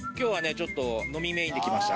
ちょっと飲みメインで来ました。